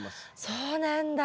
そうなんだ。